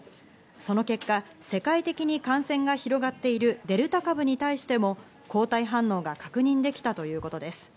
その結果、世界的に感染が広がっているデルタ株に対しても抗体反応が確認できたということです。